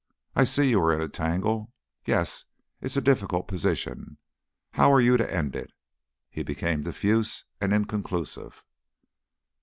"I see you are in a tangle. Yes, it's a difficult position. How you are to end it ..." He became diffuse and inconclusive.